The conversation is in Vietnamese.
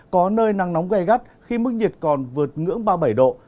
có nơi nắng nóng gây gắt khi mức nhiệt còn vượt ngưỡng ba mươi bảy độ